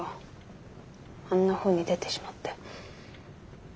あんなふうに出てしまって。